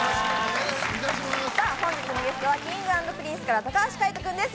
本日のゲストはＫｉｎｇ＆Ｐｒｉｎｃｅから高橋海人君です。